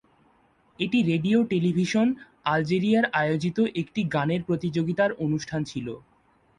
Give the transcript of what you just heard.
এটি radio television আলজেরিয়ার আয়োজিত একটি গানের প্রতিযোগিতার অনুষ্ঠান ছিল।